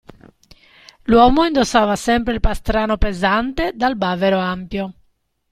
L'uomo indossava sempre il pastrano pesante dal bavero ampio.